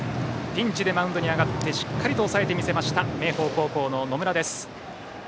ピンチでマウンドに上がってしっかり抑えてみせました明豊高校の野村。